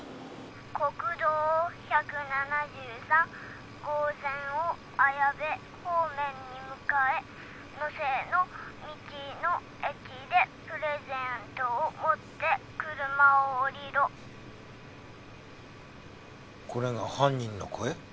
「国道１７３号線を綾部方面に向かえ」「能勢の道の駅でプレゼントを持って車を降りろ」これが犯人の声？